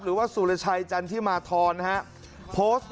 และก็มีการกินยาละลายริ่มเลือดแล้วก็ยาละลายขายมันมาเลยตลอดครับ